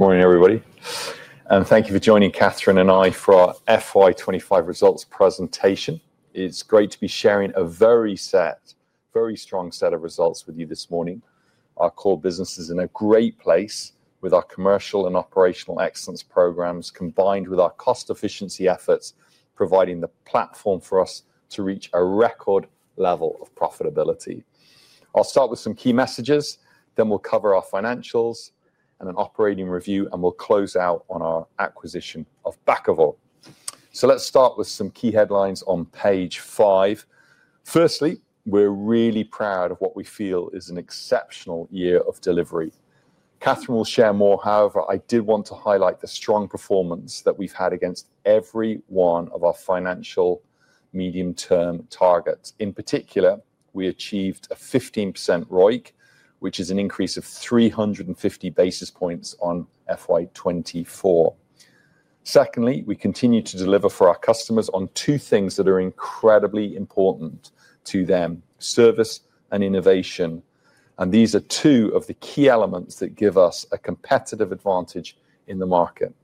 Morning, everybody. Thank you for joining Catherine and I for our FY2025 results presentation. It's great to be sharing a very strong set of results with you this morning. Our core business is in a great place with our commercial and operational excellence programs combined with our cost efficiency efforts, providing the platform for us to reach a record level of profitability. I'll start with some key messages, then we'll cover our financials and an operating review, and we'll close out on our acquisition of Bakkavor. Let's start with some key headlines on page five. Firstly, we're really proud of what we feel is an exceptional year of delivery. Catherine will share more. However, I did want to highlight the strong performance that we've had against every one of our financial medium-term targets. In particular, we achieved a 15% ROIC, which is an increase of 350 basis points on FY2024. Secondly, we continue to deliver for our customers on two things that are incredibly important to them: service and innovation. These are two of the key elements that give us a competitive advantage in the market.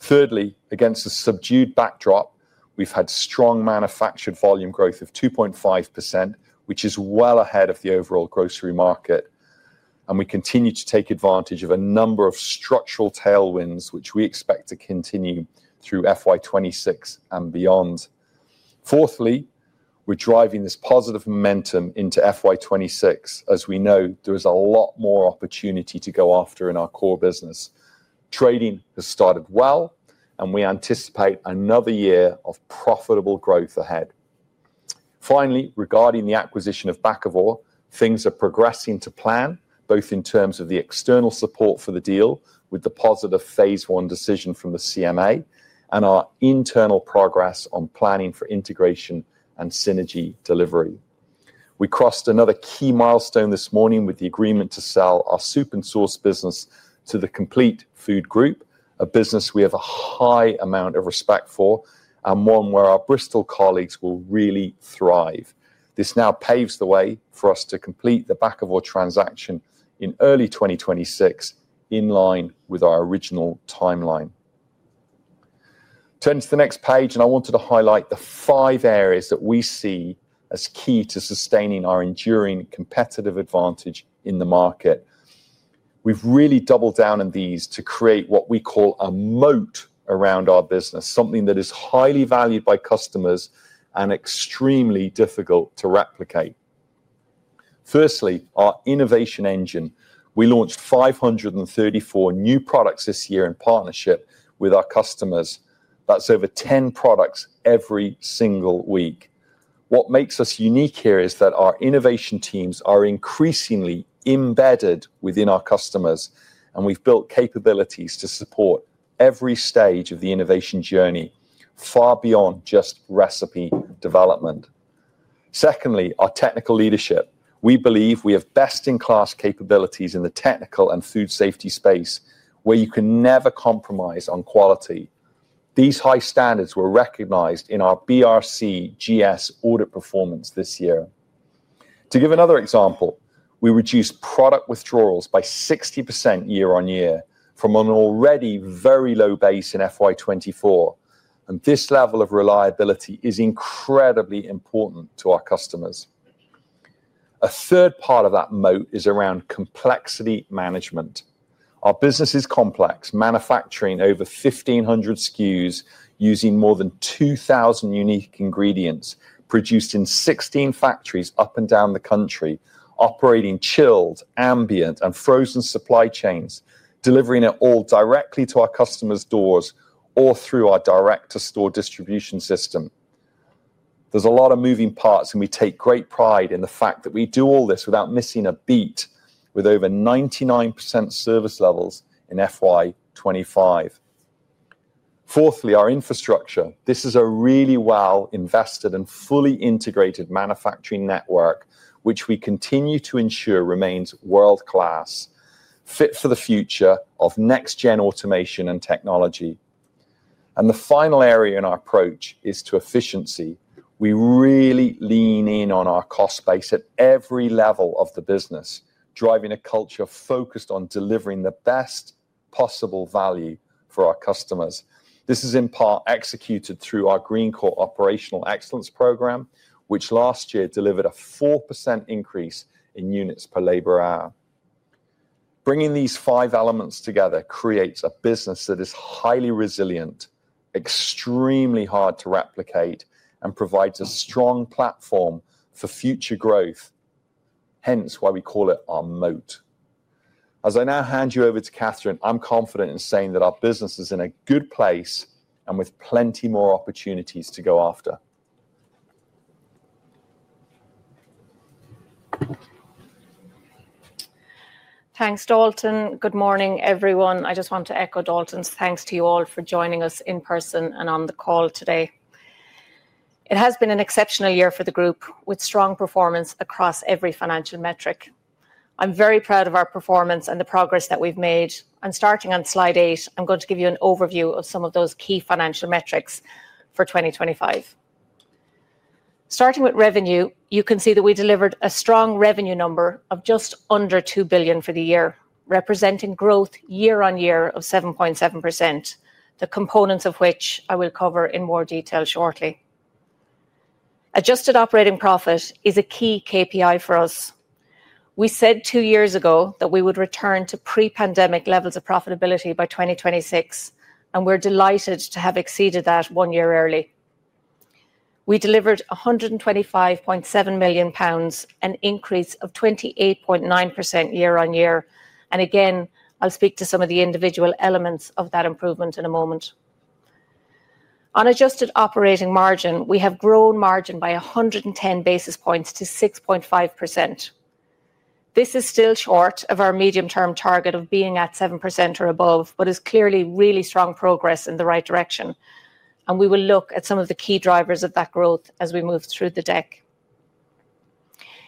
Thirdly, against a subdued backdrop, we have had strong manufactured volume growth of 2.5%, which is well ahead of the overall grocery market. We continue to take advantage of a number of structural tailwinds, which we expect to continue through FY2026 and beyond. Fourthly, we are driving this positive momentum into FY2026, as we know there is a lot more opportunity to go after in our core business. Trading has started well, and we anticipate another year of profitable growth ahead. Finally, regarding the acquisition of Bakkavor, things are progressing to plan, both in terms of the external support for the deal with the positive phase one decision from the CMA and our internal progress on planning for integration and synergy delivery. We crossed another key milestone this morning with the agreement to sell our soup and sauce business to the Compleat Food Group, a business we have a high amount of respect for and one where our Bristol colleagues will really thrive. This now paves the way for us to complete the Bakkavor transaction in early 2026, in line with our original timeline. Turn to the next page, and I wanted to highlight the five areas that we see as key to sustaining our enduring competitive advantage in the market. We've really doubled down on these to create what we call a moat around our business, something that is highly valued by customers and extremely difficult to replicate. Firstly, our innovation engine. We launched 534 new products this year in partnership with our customers. That's over 10 products every single week. What makes us unique here is that our innovation teams are increasingly embedded within our customers, and we've built capabilities to support every stage of the innovation journey, far beyond just recipe development. Secondly, our technical leadership. We believe we have best-in-class capabilities in the technical and food safety space, where you can never compromise on quality. These high standards were recognized in our BRCGS audit performance this year. To give another example, we reduced product withdrawals by 60% year-on-year from an already very low base in FY2024. This level of reliability is incredibly important to our customers. A third part of that moat is around complexity management. Our business is complex, manufacturing over 1,500 SKUs using more than 2,000 unique ingredients, produced in 16 factories up and down the country, operating chilled, ambient, and frozen supply chains, delivering it all directly to our customers' doors or through our direct-to-store distribution system. There are a lot of moving parts, and we take great pride in the fact that we do all this without missing a beat, with over 99% service levels in FY2025. Fourthly, our infrastructure. This is a really well-invested and fully integrated manufacturing network, which we continue to ensure remains world-class, fit for the future of next-gen automation and technology. The final area in our approach is to efficiency. We really lean in on our cost base at every level of the business, driving a culture focused on delivering the best possible value for our customers. This is in part executed through our Greencore Operational Excellence Program, which last year delivered a 4% increase in units per labor hour. Bringing these five elements together creates a business that is highly resilient, extremely hard to replicate, and provides a strong platform for future growth, hence why we call it our moat. As I now hand you over to Catherine, I'm confident in saying that our business is in a good place and with plenty more opportunities to go after. Thanks, Dalton. Good morning, everyone. I just want to echo Dalton's thanks to you all for joining us in person and on the call today. It has been an exceptional year for the group, with strong performance across every financial metric. I'm very proud of our performance and the progress that we've made. Starting on slide eight, I'm going to give you an overview of some of those key financial metrics for 2025. Starting with revenue, you can see that we delivered a strong revenue number of just under $2 billion for the year, representing growth year-on-year of 7.7%, the components of which I will cover in more detail shortly. Adjusted operating profit is a key KPI for us. We said two years ago that we would return to pre-pandemic levels of profitability by 2026, and we're delighted to have exceeded that one year early. We delivered 125.7 million pounds, an increase of 28.9% year-on-year. I will speak to some of the individual elements of that improvement in a moment. On adjusted operating margin, we have grown margin by 110 basis points to 6.5%. This is still short of our medium-term target of being at 7% or above, but is clearly really strong progress in the right direction. We will look at some of the key drivers of that growth as we move through the deck.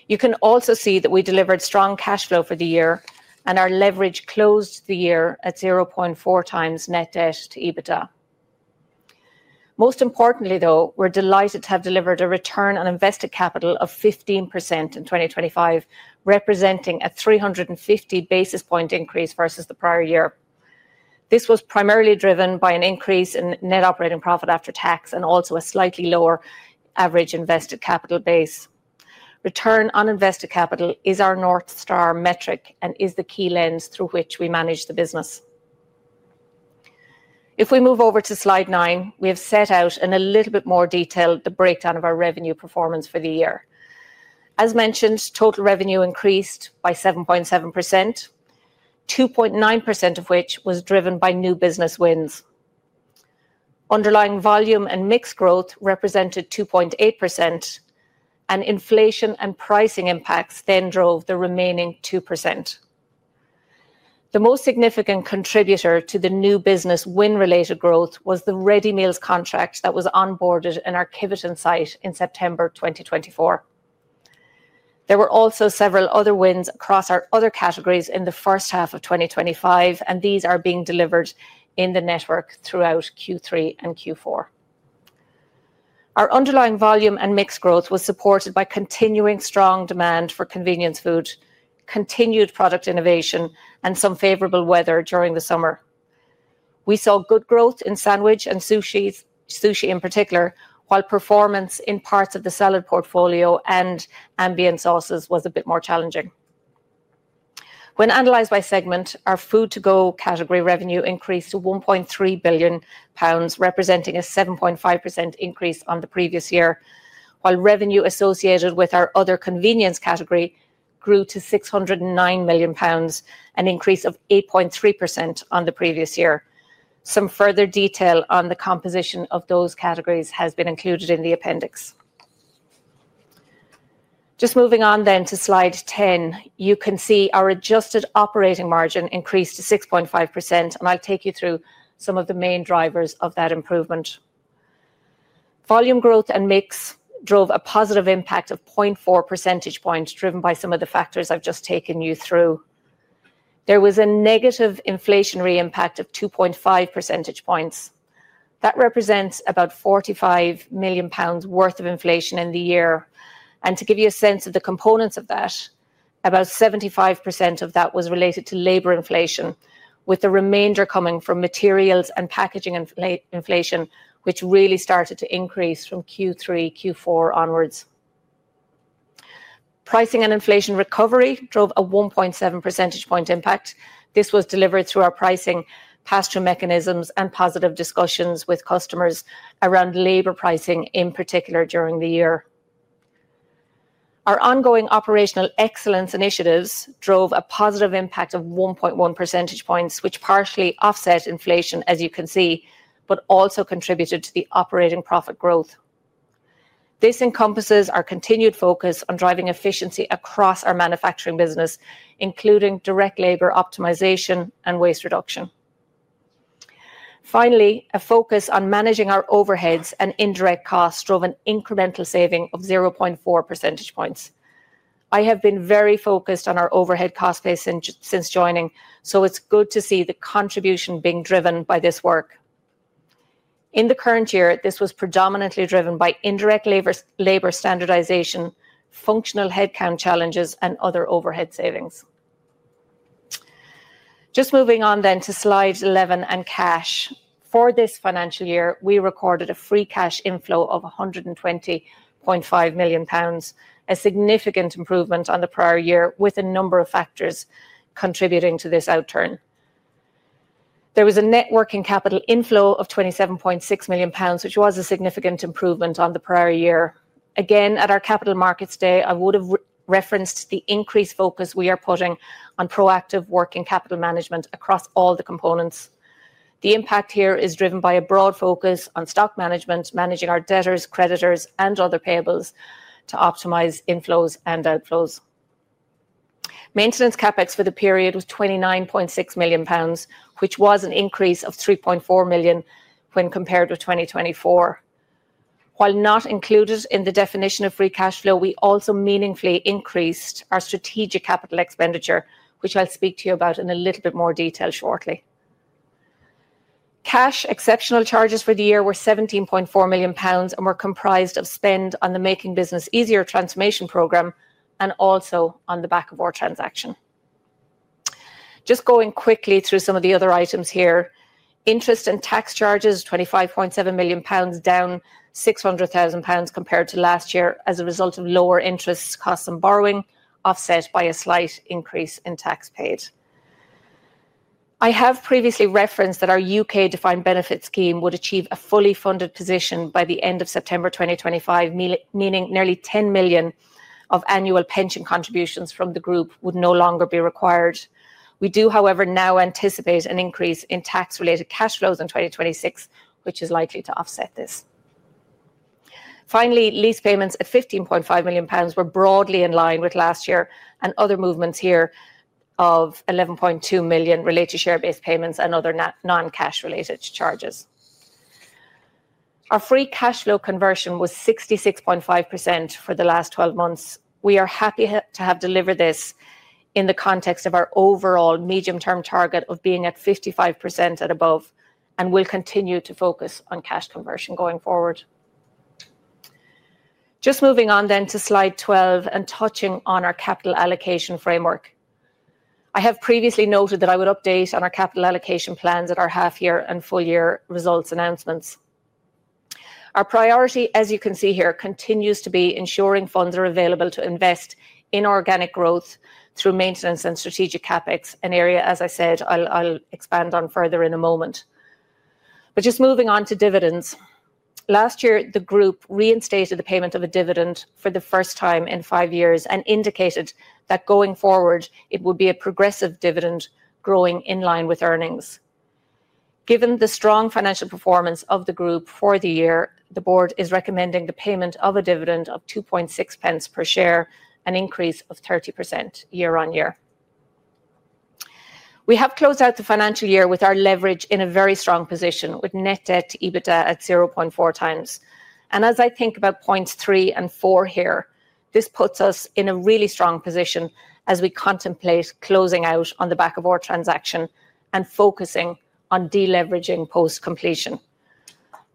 You can also see that we delivered strong cash flow for the year and our leverage closed the year at 0.4x net debt to EBITDA. Most importantly, though, we are delighted to have delivered a return on invested capital of 15% in 2025, representing a 350 basis point increase versus the prior year. This was primarily driven by an increase in net operating profit after tax and also a slightly lower average invested capital base. Return on invested capital is our North Star metric and is the key lens through which we manage the business. If we move over to slide nine, we have set out in a little bit more detail the breakdown of our revenue performance for the year. As mentioned, total revenue increased by 7.7%, 2.9% of which was driven by new business wins. Underlying volume and mixed growth represented 2.8%, and inflation and pricing impacts then drove the remaining 2%. The most significant contributor to the new business win-related growth was the ready meals contract that was onboarded in our Kiveton site in September 2024. There were also several other wins across our other categories in the first half of 2025, and these are being delivered in the network throughout Q3 and Q4. Our underlying volume and mix growth was supported by continuing strong demand for convenience food, continued product innovation, and some favorable weather during the summer. We saw good growth in sandwiches and sushi, sushi in particular, while performance in parts of the salad portfolio and ambient sauces was a bit more challenging. When analyzed by segment, our food-to-go category revenue increased to 1.3 billion pounds, representing a 7.5% increase on the previous year, while revenue associated with our other convenience category grew to 609 million pounds, an increase of 8.3% on the previous year. Some further detail on the composition of those categories has been included in the appendix. Just moving on then to slide 10, you can see our adjusted operating margin increased to 6.5%, and I'll take you through some of the main drivers of that improvement. Volume growth and mix drove a positive impact of 0.4 percentage points, driven by some of the factors I've just taken you through. There was a negative inflationary impact of 2.5 percentage points. That represents about 45 million pounds worth of inflation in the year. To give you a sense of the components of that, about 75% of that was related to labor inflation, with the remainder coming from materials and packaging inflation, which really started to increase from Q3, Q4 onwards. Pricing and inflation recovery drove a 1.7 percentage point impact. This was delivered through our pricing pass-through mechanisms and positive discussions with customers around labor pricing, in particular during the year. Our ongoing operational excellence initiatives drove a positive impact of 1.1 percentage points, which partially offset inflation, as you can see, but also contributed to the operating profit growth. This encompasses our continued focus on driving efficiency across our manufacturing business, including direct labor optimization and waste reduction. Finally, a focus on managing our overheads and indirect costs drove an incremental saving of 0.4 percentage points. I have been very focused on our overhead cost base since joining, so it's good to see the contribution being driven by this work. In the current year, this was predominantly driven by indirect labor standardization, functional headcount challenges, and other overhead savings. Just moving on then to slide 11 and cash. For this financial year, we recorded a free cash inflow of 120.5 million pounds, a significant improvement on the prior year, with a number of factors contributing to this outturn. There was a net working capital inflow of 27.6 million pounds, which was a significant improvement on the prior year. Again, at our Capital Markets Day, I would have referenced the increased focus we are putting on proactive working capital management across all the components. The impact here is driven by a broad focus on stock management, managing our debtors, creditors, and other payables to optimize inflows and outflows. Maintenance CapEx for the period was 29.6 million pounds, which was an increase of 3.4 million when compared with 2024. While not included in the definition of free cash flow, we also meaningfully increased our strategic capital expenditure, which I'll speak to you about in a little bit more detail shortly. Cash exceptional charges for the year were 17.4 million pounds and were comprised of spend on the Making Business Easier transformation program and also on the Bakkavor transaction. Just going quickly through some of the other items here, interest and tax charges, 25.7 million pounds, down 0.6 million pounds compared to last year as a result of lower interest costs and borrowing, offset by a slight increase in tax paid. I have previously referenced that our U.K. defined benefit scheme would achieve a fully funded position by the end of September 2025, meaning nearly 10 million of annual pension contributions from the group would no longer be required. We do, however, now anticipate an increase in tax-related cash flows in 2026, which is likely to offset this. Finally, lease payments at 15.5 million pounds were broadly in line with last year and other movements here of 11.2 million related to share-based payments and other non-cash related charges. Our free cash flow conversion was 66.5% for the last 12 months. We are happy to have delivered this in the context of our overall medium-term target of being at 55% and above, and we'll continue to focus on cash conversion going forward. Just moving on then to slide 12 and touching on our capital allocation framework. I have previously noted that I would update on our capital allocation plans at our half-year and full-year results announcements. Our priority, as you can see here, continues to be ensuring funds are available to invest in organic growth through maintenance and strategic CapEx, an area, as I said, I'll expand on further in a moment. Just moving on to dividends. Last year, the group reinstated the payment of a dividend for the first time in five years and indicated that going forward, it would be a progressive dividend growing in line with earnings. Given the strong financial performance of the group for the year, the board is recommending the payment of a dividend of 0.026 per share, an increase of 30% year-on-year. We have closed out the financial year with our leverage in a very strong position, with net debt to EBITDA at 0.4x. As I think about points three and four here, this puts us in a really strong position as we contemplate closing out on the Bakkavor transaction and focusing on deleveraging post-completion.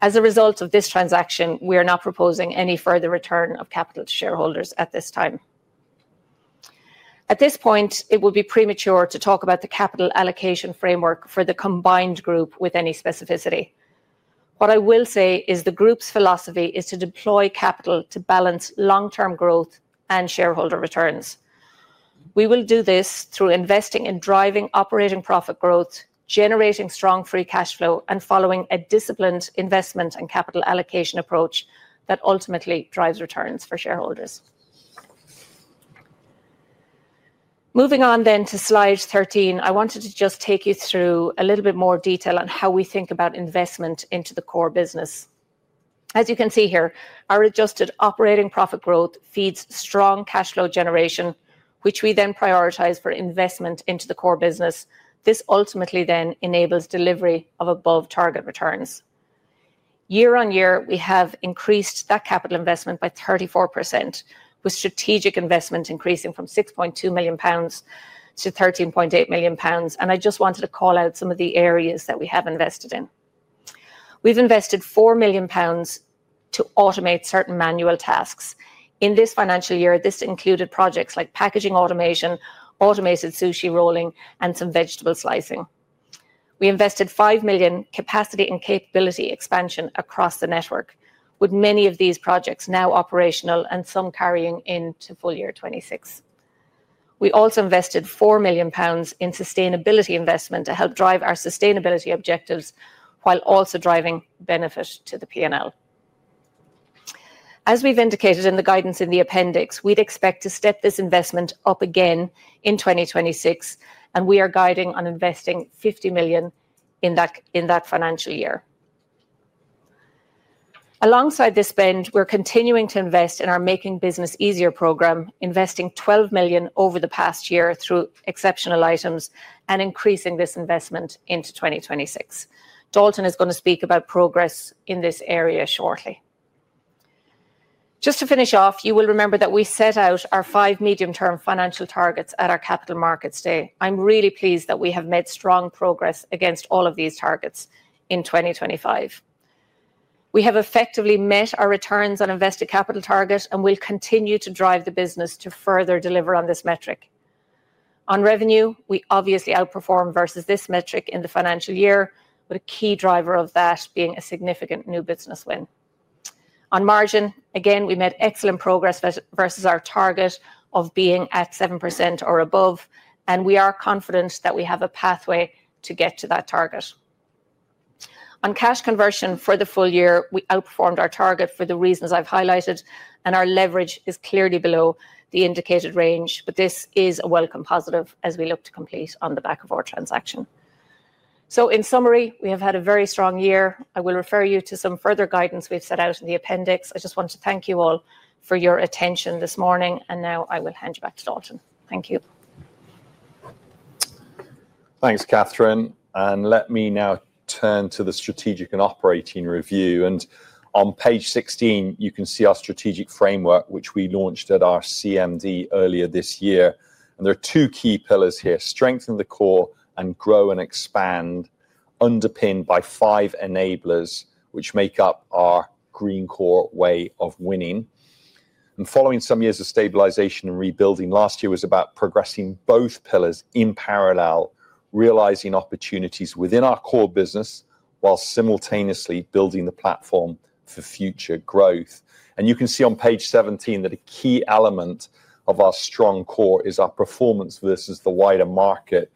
As a result of this transaction, we are not proposing any further return of capital to shareholders at this time. At this point, it would be premature to talk about the capital allocation framework for the combined group with any specificity. What I will say is the group's philosophy is to deploy capital to balance long-term growth and shareholder returns. We will do this through investing in driving operating profit growth, generating strong free cash flow, and following a disciplined investment and capital allocation approach that ultimately drives returns for shareholders. Moving on then to slide 13, I wanted to just take you through a little bit more detail on how we think about investment into the core business. As you can see here, our adjusted operating profit growth feeds strong cash flow generation, which we then prioritize for investment into the core business. This ultimately then enables delivery of above-target returns. Year-on-year, we have increased that capital investment by 34%, with strategic investment increasing from 6.2 million pounds to 13.8 million pounds. I just wanted to call out some of the areas that we have invested in. We've invested 4 million pounds to automate certain manual tasks. In this financial year, this included projects like packaging automation, automated sushi rolling, and some vegetable slicing. We invested 5 million capacity and capability expansion across the network, with many of these projects now operational and some carrying into full year 2026. We also invested 4 million pounds in sustainability investment to help drive our sustainability objectives while also driving benefit to the P&L. As we've indicated in the guidance in the appendix, we'd expect to step this investment up again in 2026, and we are guiding on investing 50 million in that financial year. Alongside this spend, we're continuing to invest in our Making Business Easier program, investing 12 million over the past year through exceptional items and increasing this investment into 2026. Dalton is going to speak about progress in this area shortly. Just to finish off, you will remember that we set out our five medium-term financial targets at our Capital Markets Day. I'm really pleased that we have made strong progress against all of these targets in 2025. We have effectively met our return on invested capital target and will continue to drive the business to further deliver on this metric. On revenue, we obviously outperform versus this metric in the financial year, with a key driver of that being a significant new business win. On margin, again, we made excellent progress versus our target of being at 7% or above, and we are confident that we have a pathway to get to that target. On cash conversion for the full year, we outperformed our target for the reasons I've highlighted, and our leverage is clearly below the indicated range, but this is a welcome positive as we look to complete on the Bakkavor transaction. In summary, we have had a very strong year. I will refer you to some further guidance we've set out in the appendix. I just want to thank you all for your attention this morning, and now I will hand you back to Dalton. Thank you. Thanks, Catherine. Let me now turn to the strategic and operating review. On page 16, you can see our strategic framework, which we launched at our CMD earlier this year. There are two key pillars here: strengthen the core and grow and expand, underpinned by five enablers, which make up our Greencore Way of Winning. Following some years of stabilization and rebuilding, last year was about progressing both pillars in parallel, realizing opportunities within our core business while simultaneously building the platform for future growth. You can see on page 17 that a key element of our strong core is our performance versus the wider market.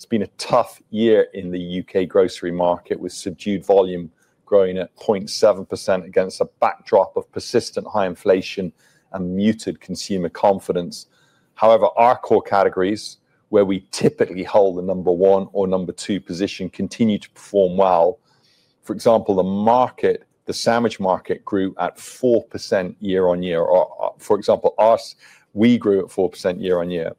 It has been a tough year in the U.K. grocery market, with subdued volume growing at 0.7% against a backdrop of persistent high inflation and muted consumer confidence. However, our core categories, where we typically hold the number one or number two position, continue to perform well. For example, the sandwich market grew at 4% year-on-year. We grew at 4% year-on-year.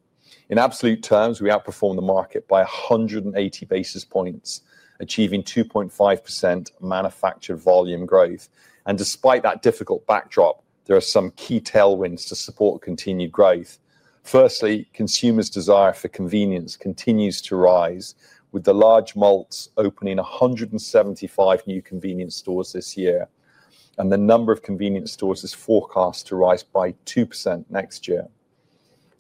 In absolute terms, we outperformed the market by 180 basis points, achieving 2.5% manufactured volume growth. Despite that difficult backdrop, there are some key tailwinds to support continued growth. Firstly, consumers' desire for convenience continues to rise, with the large malls opening 175 new convenience stores this year, and the number of convenience stores is forecast to rise by 2% next year.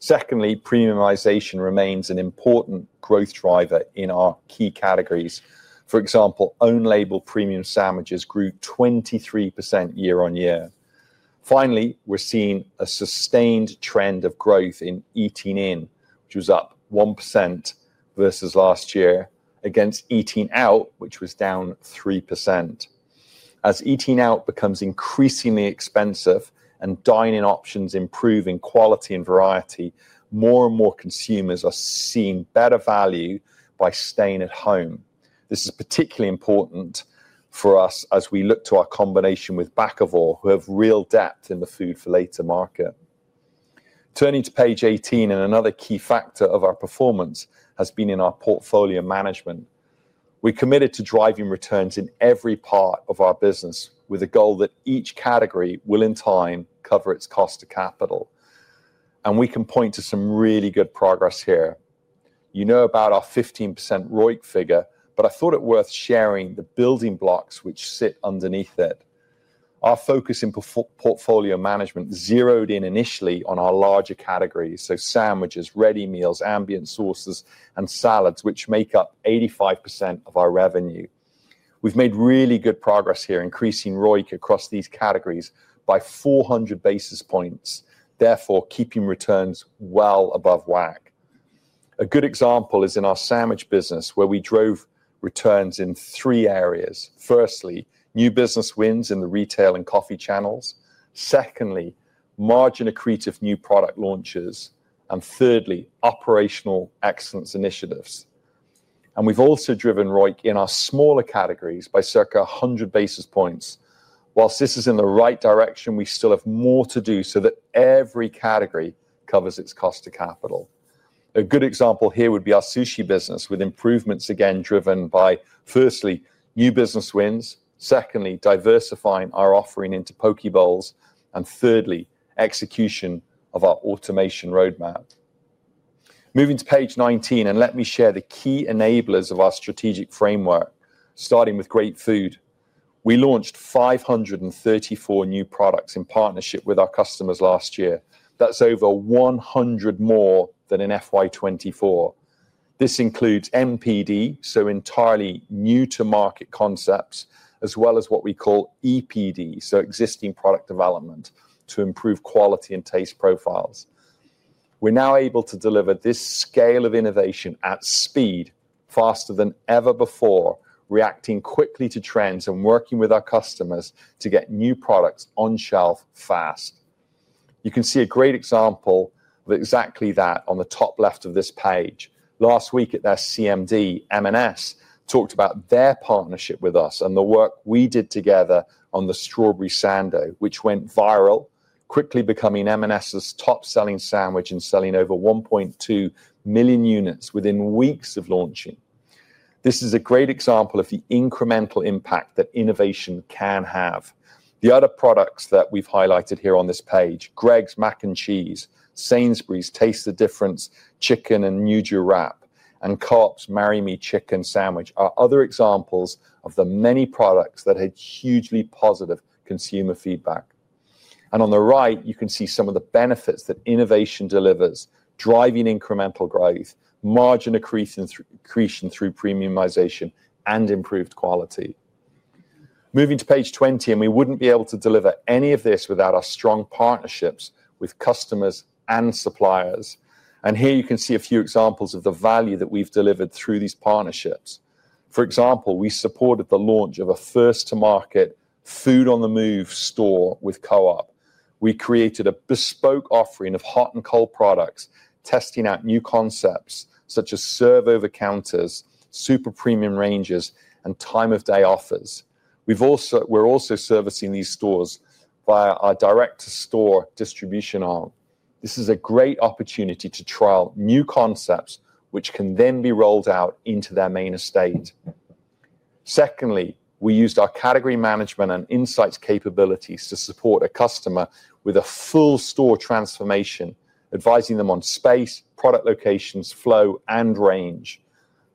Secondly, premiumization remains an important growth driver in our key categories. For example, own-label premium sandwiches grew 23% year-on-year. Finally, we're seeing a sustained trend of growth in eating in, which was up 1% versus last year, against eating out, which was down 3%. As eating out becomes increasingly expensive and dine-in options improve in quality and variety, more and more consumers are seeing better value by staying at home. This is particularly important for us as we look to our combination with Bakkavor, who have real depth in the food-for-later market. Turning to page 18, another key factor of our performance has been in our portfolio management. We're committed to driving returns in every part of our business, with a goal that each category will, in time, cover its cost of capital. You know about our 15% ROIC figure, but I thought it worth sharing the building blocks which sit underneath it. Our focus in portfolio management zeroed in initially on our larger categories, so sandwiches, ready meals, ambient sauces, and salads, which make up 85% of our revenue. We've made really good progress here, increasing ROIC across these categories by 400 basis points, therefore keeping returns well above WAC. A good example is in our sandwich business, where we drove returns in three areas. Firstly, new business wins in the retail and coffee channels. Secondly, margin accretive new product launches. Thirdly, operational excellence initiatives. We have also driven ROIC in our smaller categories by circa 100 basis points. Whilst this is in the right direction, we still have more to do so that every category covers its cost of capital. A good example here would be our sushi business, with improvements again driven by, firstly, new business wins, secondly, diversifying our offering into poke bowls, and thirdly, execution of our automation roadmap. Moving to page 19, let me share the key enablers of our strategic framework, starting with great food. We launched 534 new products in partnership with our customers last year. That is over 100 more than in FY2024. This includes MPD, so entirely new-to-market concepts, as well as what we call EPD, so existing product development, to improve quality and taste profiles. We're now able to deliver this scale of innovation at speed, faster than ever before, reacting quickly to trends and working with our customers to get new products on shelf fast. You can see a great example of exactly that on the top left of this page. Last week at their CMD, M&S talked about their partnership with us and the work we did together on the strawberry sando, which went viral, quickly becoming M&S's top-selling sandwich and selling over 1.2 million units within weeks of launching. This is a great example of the incremental impact that innovation can have. The other products that we've highlighted here on this page—Greggs mac and cheese, Sainsbury's Taste the Difference chicken and Nduja wrap, and Cobb's Marry Me Chicken Sandwich—are other examples of the many products that had hugely positive consumer feedback. On the right, you can see some of the benefits that innovation delivers: driving incremental growth, margin accretion through premiumization, and improved quality. Moving to page 20, we would not be able to deliver any of this without our strong partnerships with customers and suppliers. Here you can see a few examples of the value that we have delivered through these partnerships. For example, we supported the launch of a first-to-market food-on-the-move store with Co-op. We created a bespoke offering of hot and cold products, testing out new concepts such as serve-over counters, super premium ranges, and time-of-day offers. We are also servicing these stores via our direct-to-store distribution arm. This is a great opportunity to trial new concepts, which can then be rolled out into their main estate. Secondly, we used our category management and insights capabilities to support a customer with a full store transformation, advising them on space, product locations, flow, and range.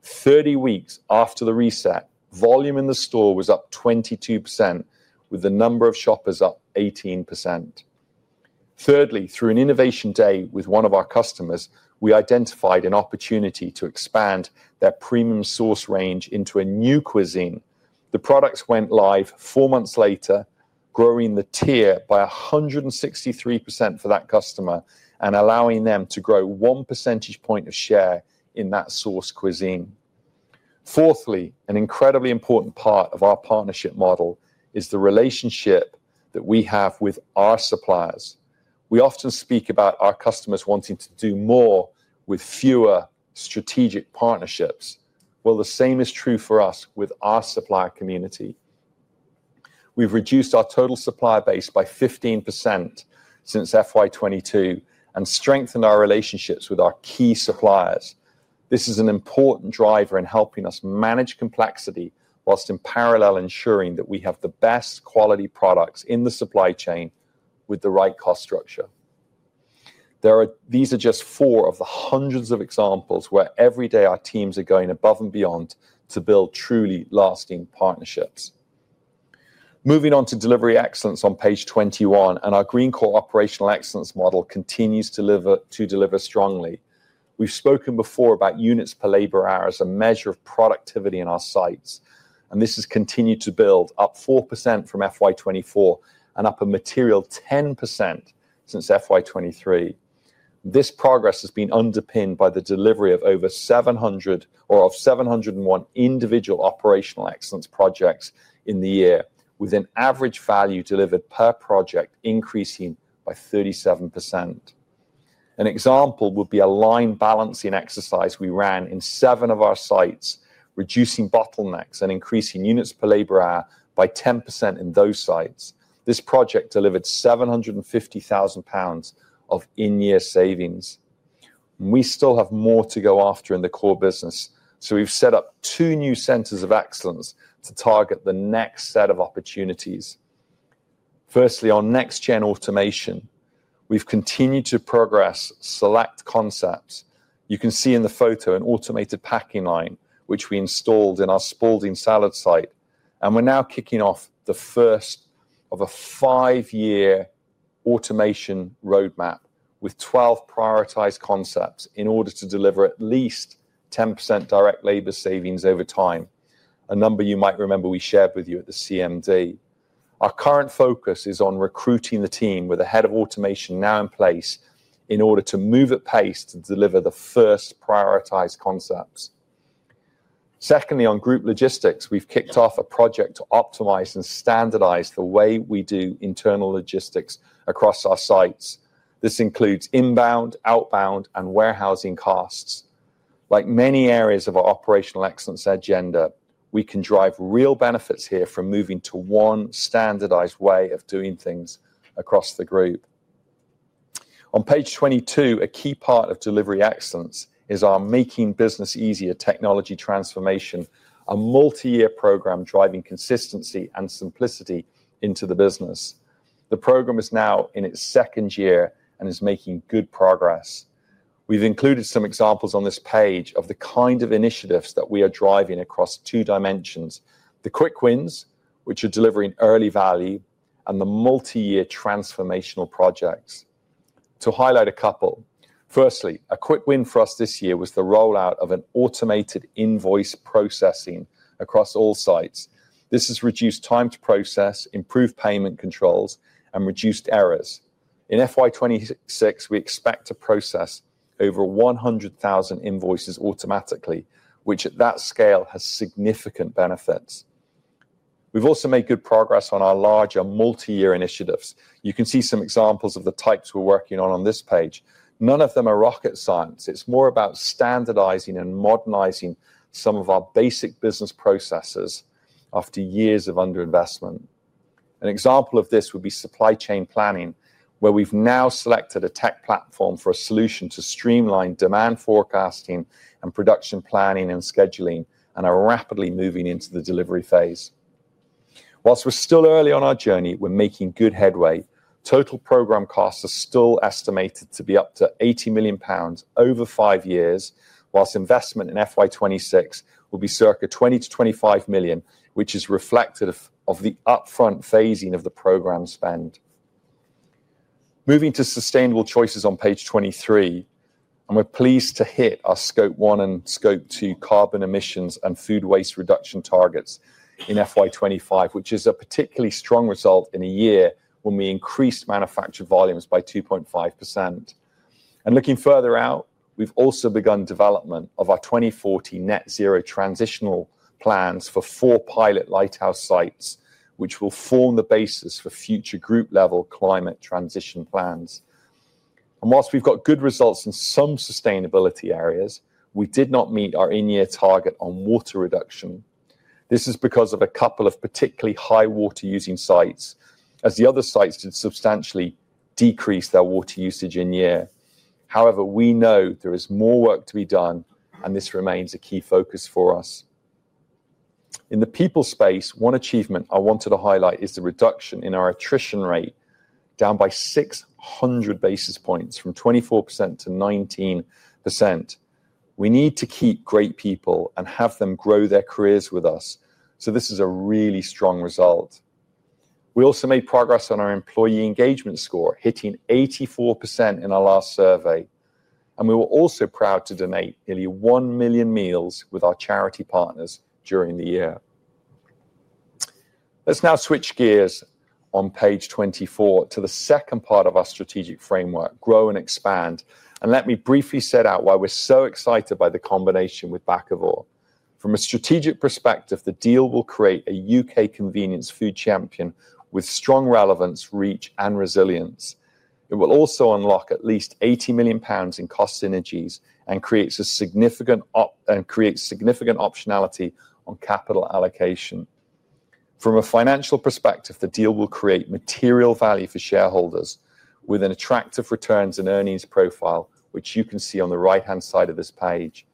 Thirty weeks after the reset, volume in the store was up 22%, with the number of shoppers up 18%. Thirdly, through an innovation day with one of our customers, we identified an opportunity to expand their premium sauce range into a new cuisine. The products went live four months later, growing the tier by 163% for that customer and allowing them to grow one percentage point of share in that sauce cuisine. Fourthly, an incredibly important part of our partnership model is the relationship that we have with our suppliers. We often speak about our customers wanting to do more with fewer strategic partnerships. The same is true for us with our supplier community. We've reduced our total supply base by 15% since FY 2022 and strengthened our relationships with our key suppliers. This is an important driver in helping us manage complexity whilst in parallel ensuring that we have the best quality products in the supply chain with the right cost structure. These are just four of the hundreds of examples where every day our teams are going above and beyond to build truly lasting partnerships. Moving on to delivery excellence on page 21, and our Greencore operational excellence model continues to deliver strongly. We've spoken before about units per labor hour as a measure of productivity in our sites, and this has continued to build, up 4% from FY 2024 and up a material 10% since FY 2023. This progress has been underpinned by the delivery of over 700 or of 701 individual operational excellence projects in the year, with an average value delivered per project increasing by 37%. An example would be a line balancing exercise we ran in seven of our sites, reducing bottlenecks and increasing units per labor hour by 10% in those sites. This project delivered 750,000 pounds of in-year savings. We still have more to go after in the core business, so we've set up two new centers of excellence to target the next set of opportunities. Firstly, on next-gen automation, we've continued to progress select concepts. You can see in the photo an automated packing line, which we installed in our Spalding salad site. We are now kicking off the first of a five-year automation roadmap with 12 prioritized concepts in order to deliver at least 10% direct labor savings over time, a number you might remember we shared with you at the CMD. Our current focus is on recruiting the team with a head of automation now in place in order to move at pace to deliver the first prioritized concepts. Secondly, on group logistics, we have kicked off a project to optimize and standardize the way we do internal logistics across our sites. This includes inbound, outbound, and warehousing costs. Like many areas of our operational excellence agenda, we can drive real benefits here from moving to one standardized way of doing things across the group. On page 22, a key part of delivery excellence is our Making Business Easier technology transformation, a multi-year program driving consistency and simplicity into the business. The program is now in its second year and is making good progress. We've included some examples on this page of the kind of initiatives that we are driving across two dimensions: the quick wins, which are delivering early value, and the multi-year transformational projects. To highlight a couple, firstly, a quick win for us this year was the rollout of an automated invoice processing across all sites. This has reduced time to process, improved payment controls, and reduced errors. In FY 2026, we expect to process over 100,000 invoices automatically, which at that scale has significant benefits. We've also made good progress on our larger multi-year initiatives. You can see some examples of the types we're working on on this page. None of them are rocket science. It's more about standardizing and modernizing some of our basic business processes after years of underinvestment. An example of this would be supply chain planning, where we've now selected a tech platform for a solution to streamline demand forecasting and production planning and scheduling and are rapidly moving into the delivery phase. Whilst we're still early on our journey, we're making good headway. Total program costs are still estimated to be up to 80 million pounds over five years, whilst investment in FY2026 will be circa 20-25 million, which is reflective of the upfront phasing of the program spend. Moving to sustainable choices on page 23, and we're pleased to hit our scope one and scope two carbon emissions and food waste reduction targets in FY2025, which is a particularly strong result in a year when we increased manufactured volumes by 2.5%. Looking further out, we've also begun development of our 2040 net zero transitional plans for four pilot lighthouse sites, which will form the basis for future group-level climate transition plans. Whilst we've got good results in some sustainability areas, we did not meet our in-year target on water reduction. This is because of a couple of particularly high water-using sites, as the other sites did substantially decrease their water usage in year. However, we know there is more work to be done, and this remains a key focus for us. In the people space, one achievement I wanted to highlight is the reduction in our attrition rate, down by 600 basis points from 24% to 19%. We need to keep great people and have them grow their careers with us, so this is a really strong result. We also made progress on our employee engagement score, hitting 84% in our last survey. We were also proud to donate nearly 1 million meals with our charity partners during the year. Let's now switch gears on page 24 to the second part of our strategic framework, Grow and Expand. Let me briefly set out why we're so excited by the combination with Bakkavor. From a strategic perspective, the deal will create a U.K. convenience food champion with strong relevance, reach, and resilience. It will also unlock at least 80 million pounds in cost synergies and creates a significant optionality on capital allocation. From a financial perspective, the deal will create material value for shareholders with an attractive returns and earnings profile, which you can see on the right-hand side of this page.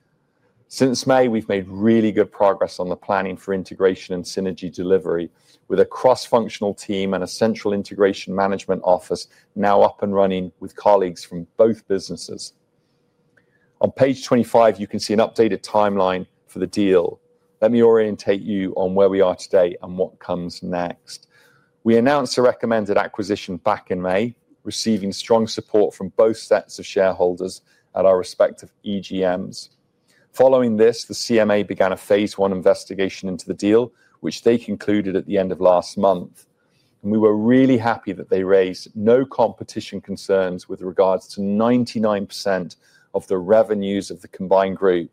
Since May, we've made really good progress on the planning for integration and synergy delivery with a cross-functional team and a central integration management office now up and running with colleagues from both businesses. On page 25, you can see an updated timeline for the deal. Let me orientate you on where we are today and what comes next. We announced a recommended acquisition back in May, receiving strong support from both sets of shareholders at our respective EGMs. Following this, the CMA began a phase I investigation into the deal, which they concluded at the end of last month. We were really happy that they raised no competition concerns with regards to 99% of the revenues of the combined group.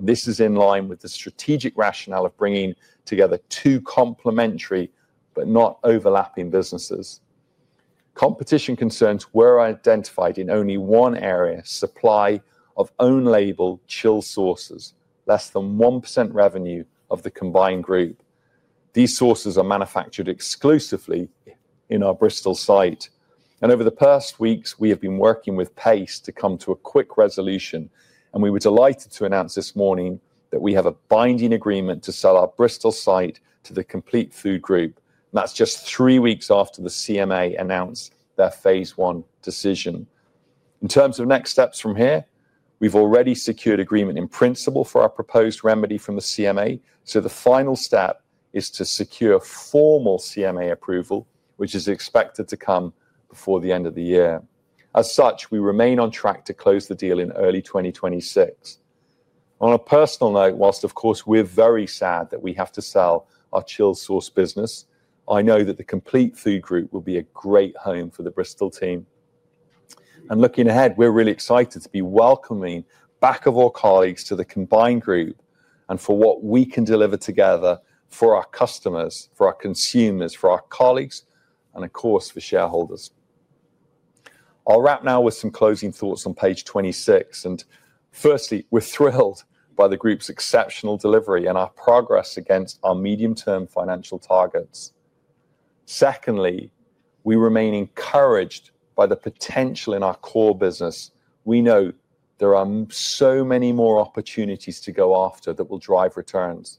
This is in line with the strategic rationale of bringing together two complementary but not overlapping businesses. Competition concerns were identified in only one area: supply of own-label chill sauces, less than 1% revenue of the combined group. These sauces are manufactured exclusively in our Bristol site. Over the past weeks, we have been working with pace to come to a quick resolution. We were delighted to announce this morning that we have a binding agreement to sell our Bristol site to the Compleat Food Group. That is just three weeks after the CMA announced their phase I decision. In terms of next steps from here, we have already secured agreement in principle for our proposed remedy from the CMA. The final step is to secure formal CMA approval, which is expected to come before the end of the year. As such, we remain on track to close the deal in early 2026. On a personal note, whilst, of course, we're very sad that we have to sell our chill sauce business, I know that the Compleat Food Group will be a great home for the Bristol team. Looking ahead, we're really excited to be welcoming Bakkavor colleagues to the combined group and for what we can deliver together for our customers, for our consumers, for our colleagues, and, of course, for shareholders. I'll wrap now with some closing thoughts on page 26. Firstly, we're thrilled by the group's exceptional delivery and our progress against our medium-term financial targets. Secondly, we remain encouraged by the potential in our core business. We know there are so many more opportunities to go after that will drive returns.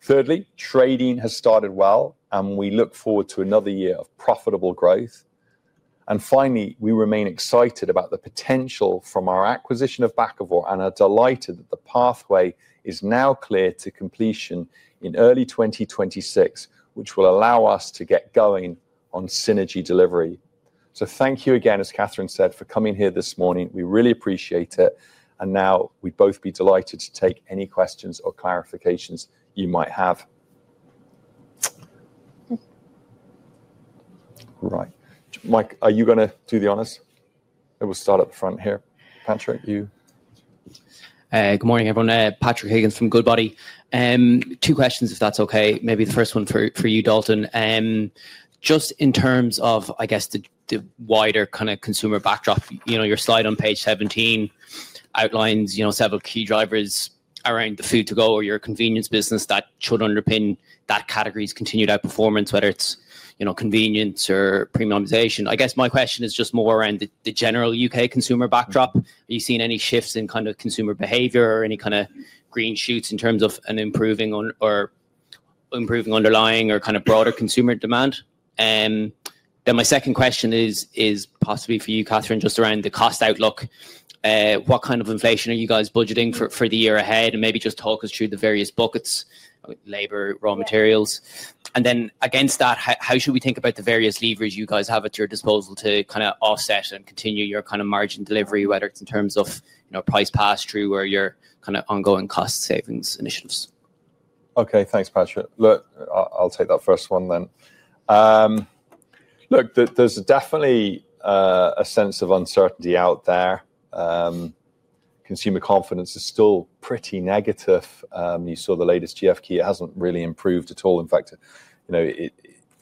Thirdly, trading has started well, and we look forward to another year of profitable growth. Finally, we remain excited about the potential from our acquisition of Bakkavor and are delighted that the pathway is now clear to completion in early 2026, which will allow us to get going on synergy delivery. Thank you again, as Catherine said, for coming here this morning. We really appreciate it. Now we'd both be delighted to take any questions or clarifications you might have. Right. Mike, are you going to do the honors? We will start at the front here. Patrick, you. Good morning, everyone. Patrick Higgins from Goodbody. Two questions, if that's okay. Maybe the first one for you, Dalton. Just in terms of, I guess, the wider kind of consumer backdrop, your slide on page 17 outlines several key drivers around the food to go or your convenience business that should underpin that category's continued outperformance, whether it's convenience or premiumization. I guess my question is just more around the general U.K. consumer backdrop. Are you seeing any shifts in kind of consumer behavior or any kind of green shoots in terms of an improving underlying or kind of broader consumer demand? My second question is possibly for you, Catherine, just around the cost outlook. What kind of inflation are you guys budgeting for the year ahead? Maybe just talk us through the various buckets: labor, raw materials. Against that, how should we think about the various levers you guys have at your disposal to kind of offset and continue your kind of margin delivery, whether it is in terms of price pass-through or your kind of ongoing cost savings initiatives? Okay, thanks, Patrick. Look, I'll take that first one then. Look, there is definitely a sense of uncertainty out there. Consumer confidence is still pretty negative. You saw the latest GF key. It has not really improved at all. In fact, it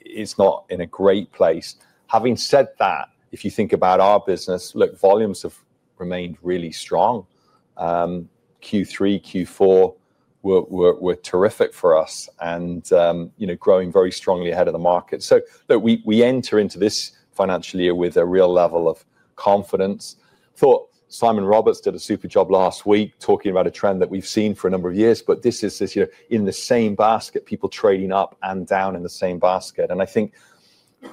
is not in a great place. Having said that, if you think about our business, look, volumes have remained really strong. Q3, Q4 were terrific for us and growing very strongly ahead of the market. We enter into this financial year with a real level of confidence. I thought Simon Roberts did a super job last week talking about a trend that we have seen for a number of years, but this is in the same basket, people trading up and down in the same basket. I think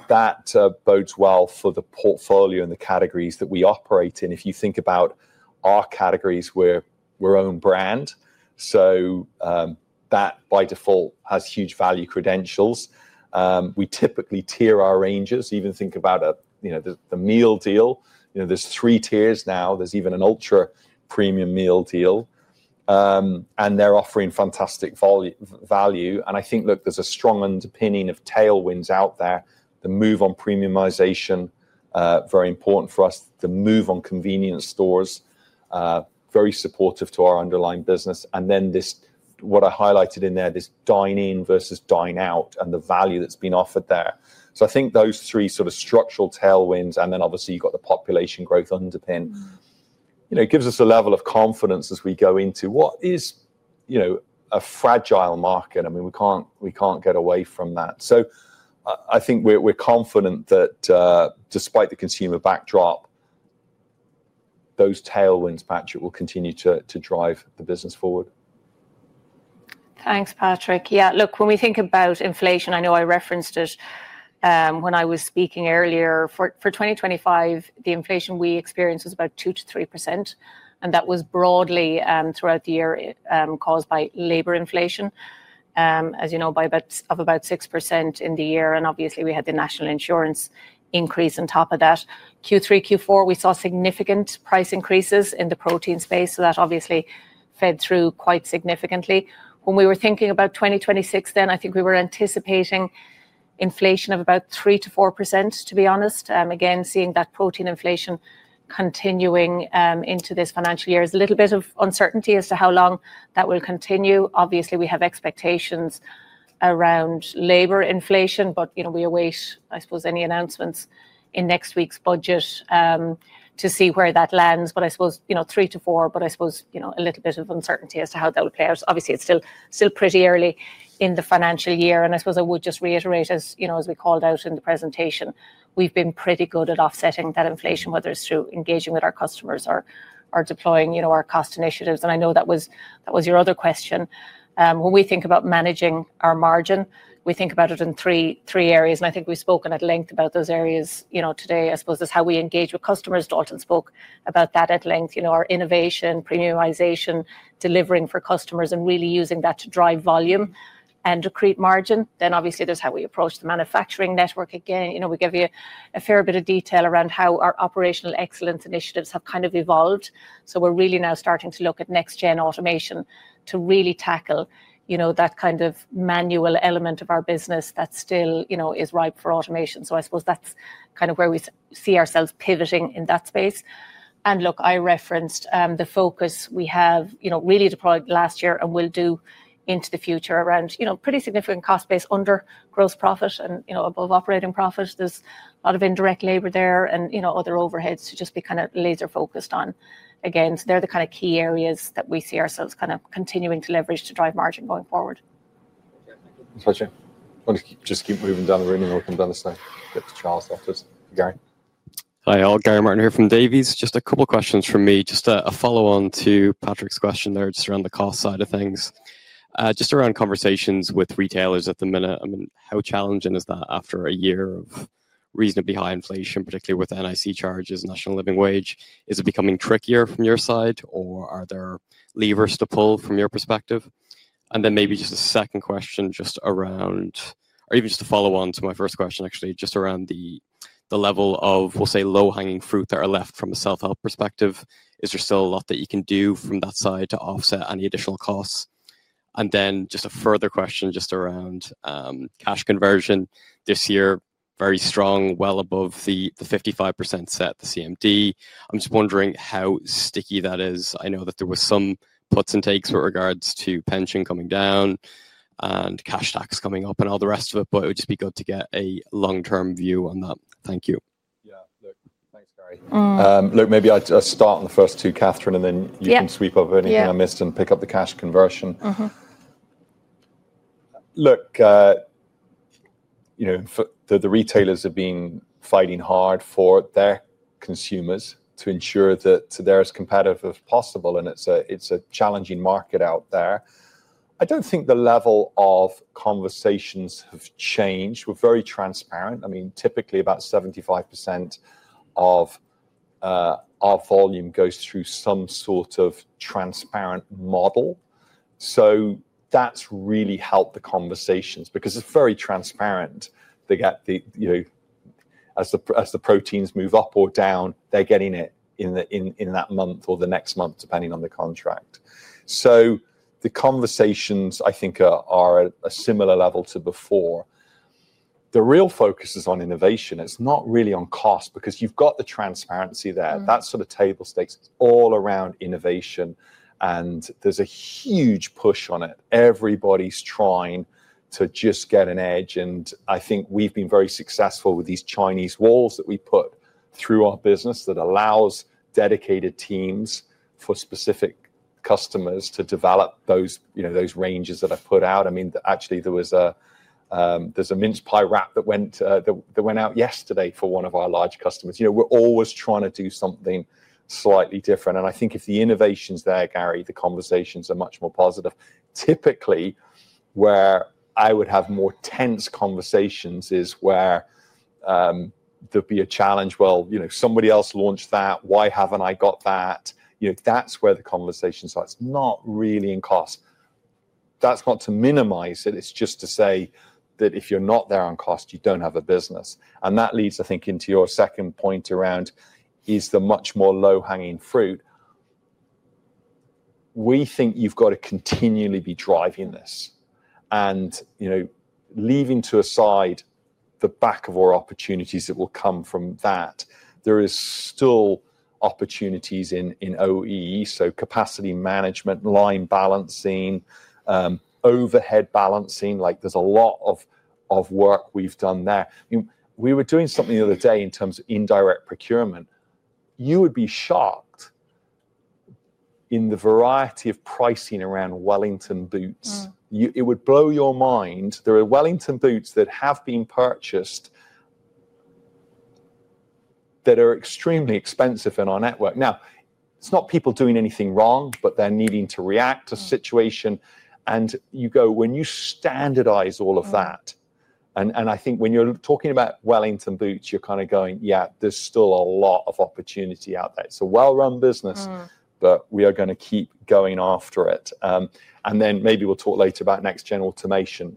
that bodes well for the portfolio and the categories that we operate in. If you think about our categories, we are our own brand. That by default has huge value credentials. We typically tier our ranges. Even think about the meal deal. There are three tiers now. There's even an ultra premium meal deal. They're offering fantastic value. I think, look, there's a strong underpinning of tailwinds out there. The move on premiumization, very important for us. The move on convenience stores, very supportive to our underlying business. What I highlighted in there, this dine-in versus dine-out and the value that's been offered there. I think those three sort of structural tailwinds, and obviously you've got the population growth underpin. It gives us a level of confidence as we go into what is a fragile market. I mean, we can't get away from that. I think we're confident that despite the consumer backdrop, those tailwinds, Patrick, will continue to drive the business forward. Thanks, Patrick. Yeah, look, when we think about inflation, I know I referenced it when I was speaking earlier. For 2025, the inflation we experienced was about 2%-3%. That was broadly throughout the year caused by labor inflation, as you know, of about 6% in the year. Obviously, we had the national insurance increase on top of that. Q3, Q4, we saw significant price increases in the protein space. That obviously fed through quite significantly. When we were thinking about 2026 then, I think we were anticipating inflation of about 3%-4%, to be honest. Again, seeing that protein inflation continuing into this financial year is a little bit of uncertainty as to how long that will continue. Obviously, we have expectations around labor inflation, but we await, I suppose, any announcements in next week's budget to see where that lands. I suppose 3%-%4, but I suppose a little bit of uncertainty as to how that would play out. Obviously, it's still pretty early in the financial year. I suppose I would just reiterate, as we called out in the presentation, we've been pretty good at offsetting that inflation, whether it's through engaging with our customers or deploying our cost initiatives. I know that was your other question. When we think about managing our margin, we think about it in three areas. I think we've spoken at length about those areas today. I suppose it's how we engage with customers. Dalton spoke about that at length. Our innovation, premiumization, delivering for customers, and really using that to drive volume and to create margin. Obviously, there's how we approach the manufacturing network again. We give you a fair bit of detail around how our operational excellence initiatives have kind of evolved. We're really now starting to look at next-gen automation to really tackle that kind of manual element of our business that still is ripe for automation. I suppose that's kind of where we see ourselves pivoting in that space. I referenced the focus we have really deployed last year and will do into the future around pretty significant cost base under gross profit and above operating profit. There's a lot of indirect labor there and other overheads to just be kind of laser-focused on. Again, they're the kind of key areas that we see ourselves kind of continuing to leverage to drive margin going forward. Patrick, just keep moving down the room and we'll come down the stairs. Get to Charles after this. Gary. Hi, Gary Martin here from Davy. Just a couple of questions from me. Just a follow-on to Patrick's question there just around the cost side of things. Just around conversations with retailers at the minute, I mean, how challenging is that after a year of reasonably high inflation, particularly with NIC charges, national living wage? Is it becoming trickier from your side, or are there levers to pull from your perspective? Maybe just a second question just around, or even just a follow-on to my first question, actually, just around the level of, we'll say, low-hanging fruit that are left from a self-help perspective. Is there still a lot that you can do from that side to offset any additional costs? Just a further question just around cash conversion this year, very strong, well above the 55% set at the CMD. I'm just wondering how sticky that is. I know that there were some puts and takes with regards to pension coming down and cash tax coming up and all the rest of it, but it would just be good to get a long-term view on that. Thank you. Yeah, look, thanks, Gary. Look, maybe I'll start on the first two, Catherine, and then you can sweep up anything I missed and pick up the cash conversion. Look, the retailers have been fighting hard for their consumers to ensure that they're as competitive as possible, and it's a challenging market out there. I don't think the level of conversations have changed. We're very transparent. I mean, typically about 75% of our volume goes through some sort of transparent model. So that's really helped the conversations because it's very transparent. As the proteins move up or down, they're getting it in that month or the next month, depending on the contract. The conversations, I think, are at a similar level to before. The real focus is on innovation. It's not really on cost because you've got the transparency there. That's sort of table stakes. It's all around innovation, and there's a huge push on it. Everybody's trying to just get an edge. I think we've been very successful with these Chinese walls that we put through our business that allows dedicated teams for specific customers to develop those ranges that are put out. I mean, actually, there's a mince pie wrap that went out yesterday for one of our large customers. We're always trying to do something slightly different. I think if the innovation's there, Gary, the conversations are much more positive. Typically, where I would have more tense conversations is where there'd be a challenge. Somebody else launched that. Why haven't I got that? That's where the conversation starts. Not really in cost. That's not to minimize it. It's just to say that if you're not there on cost, you don't have a business. That leads, I think, into your second point around, is the much more low-hanging fruit. We think you've got to continually be driving this. Leaving aside the Bakkavor opportunities that will come from that, there are still opportunities in OEE, so capacity management, line balancing, overhead balancing. There's a lot of work we've done there. We were doing something the other day in terms of indirect procurement. You would be shocked in the variety of pricing around Wellington boots. It would blow your mind. There are Wellington boots that have been purchased that are extremely expensive in our network. Now, it's not people doing anything wrong, but they're needing to react to situation. When you standardize all of that, and I think when you're talking about Wellington boots, you're kind of going, yeah, there's still a lot of opportunity out there. It's a well-run business, but we are going to keep going after it. Maybe we'll talk later about next-gen automation.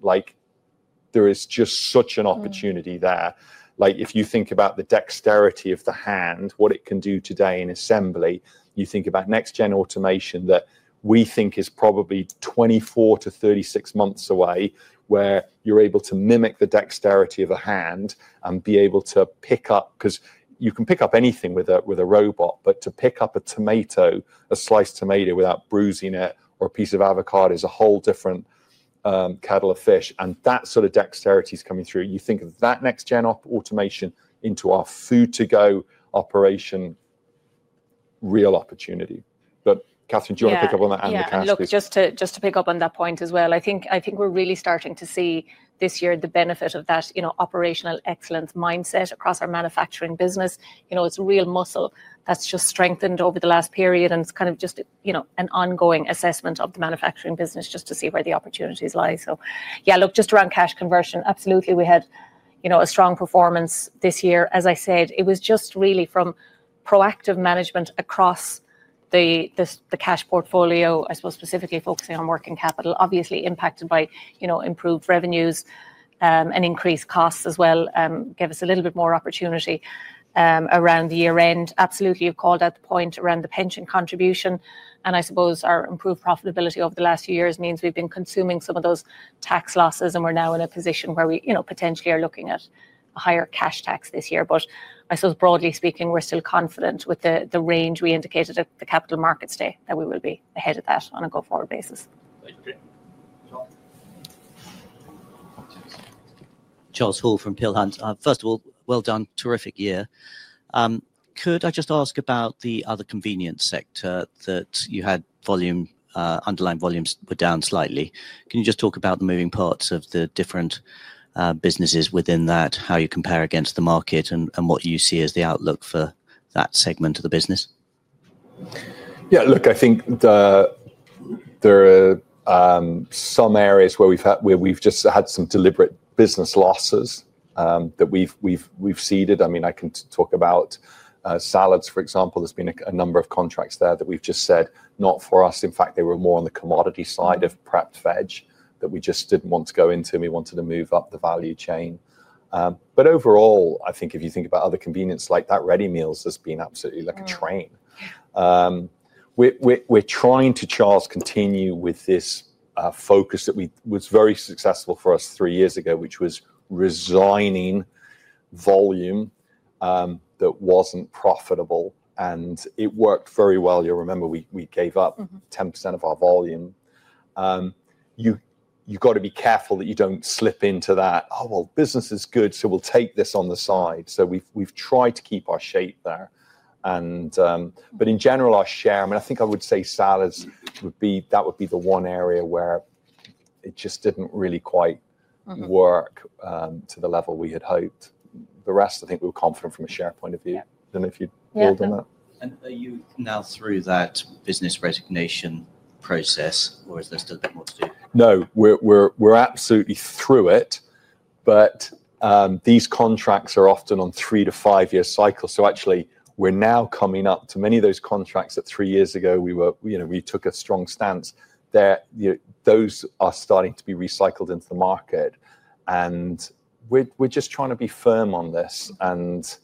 There is just such an opportunity there. If you think about the dexterity of the hand, what it can do today in assembly, you think about next-gen automation that we think is probably 24-36 months away, where you're able to mimic the dexterity of a hand and be able to pick up because you can pick up anything with a robot, but to pick up a sliced tomato without bruising it or a piece of avocado is a whole different cattle of fish. That sort of dexterity is coming through. You think of that next-gen automation into our food-to-go operation, real opportunity. Catherine, do you want to pick up on that and the cash? Just to pick up on that point as well. I think we're really starting to see this year the benefit of that operational excellence mindset across our manufacturing business. It's a real muscle that's just strengthened over the last period. It's kind of just an ongoing assessment of the manufacturing business just to see where the opportunities lie. Yeah, look, just around cash conversion, absolutely. We had a strong performance this year. As I said, it was just really from proactive management across the cash portfolio, I suppose, specifically focusing on working capital, obviously impacted by improved revenues and increased costs as well, gave us a little bit more opportunity around year-end. Absolutely, you've called out the point around the pension contribution. I suppose our improved profitability over the last few years means we've been consuming some of those tax losses, and we're now in a position where we potentially are looking at a higher cash tax this year. I suppose, broadly speaking, we're still confident with the range we indicated at the Capital Markets Day that we will be ahead of that on a go-forward basis. Charles Hall from Peel Hunt. First of all, well done. Terrific year. Could I just ask about the other convenience sector that you had? Underlying volumes were down slightly. Can you just talk about the moving parts of the different businesses within that, how you compare against the market, and what you see as the outlook for that segment of the business? Yeah, look, I think there are some areas where we've just had some deliberate business losses that we've ceded. I mean, I can talk about salads, for example. There's been a number of contracts there that we've just said not for us. In fact, they were more on the commodity side of prepped veg that we just did not want to go into. We wanted to move up the value chain. Overall, I think if you think about other convenience like that, ready meals has been absolutely like a train. We are trying to, Charles, continue with this focus that was very successful for us three years ago, which was resigning volume that was not profitable. It worked very well. You will remember we gave up 10% of our volume. You have to be careful that you do not slip into that, "Oh, well, business is good, so we will take this on the side." We have tried to keep our shape there. In general, our share, I mean, I think I would say salads would be the one area where it just did not really quite work to the level we had hoped. The rest, I think we were confident from a share point of view. I do not know if you have pulled on that. Are you now through that business resignation process, or is there still a bit more to do? No, we are absolutely through it. These contracts are often on three- to five-year cycles. Actually, we are now coming up to many of those contracts that three years ago we took a strong stance. Those are starting to be recycled into the market. We are just trying to be firm on this and